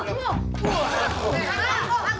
harus buka harian